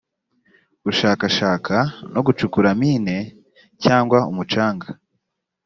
gushakashaka no gucukura mine cyangwa umucanga